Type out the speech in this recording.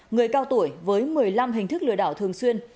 người cao tuổi với một mươi năm hình thức lừa đảo thường xuyên